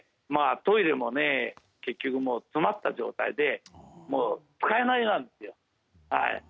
トイレも詰まった状態で使えないんですよ。